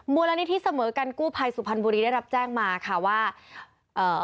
มูลนิธิเสมอกันกู้ภัยสุพรรณบุรีได้รับแจ้งมาค่ะว่าเอ่อ